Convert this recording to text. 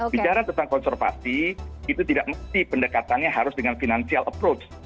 bicara tentang konservasi itu tidak mesti pendekatannya harus dengan financial approach